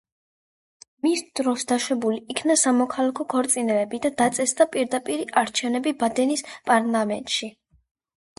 მის დროს დაშვებულ იქნა სამოქალაქო ქორწინებები და დაწესდა პირდაპირი არჩევნები ბადენის პარლამენტში.